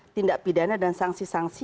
tindak pidana dan sanksi sanksi